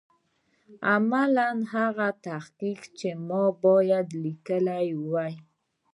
عملاً هغه تحقیق چې ما باید لیکلی وای.